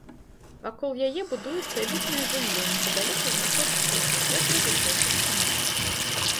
Вакол яе будуецца элітнае жыллё, непадалёку знаходзяцца і катэджы вышэйшых чыноўнікаў.